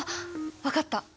分かった！